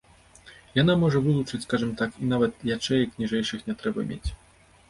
Яна можа вылучыць, скажам так, і нават ячэек ніжэйшых не трэба мець.